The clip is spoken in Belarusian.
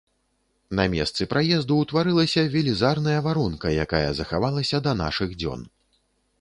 На месцы праезду ўтварылася велізарная варонка, якая захавалася да нашых дзён.